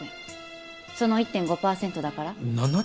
その１．５％だから。